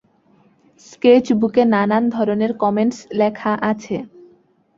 স্কেচবুকে নানান ধরনের কমেন্টস লেখা আছে।